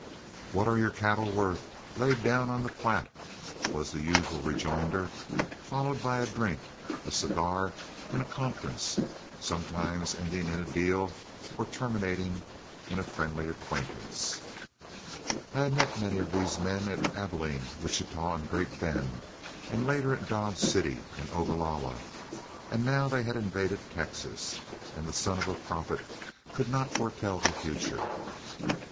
"What are your cattle worth laid down on the Platte?" was the usual rejoinder, followed by a drink, a cigar, and a conference, sometimes ending in a deal or terminating in a friendly acquaintance. I had met many of these men at Abilene, Wichita, and Great Bend, and later at Dodge City and Ogalalla, and now they had invaded Texas, and the son of a prophet could not foretell the future.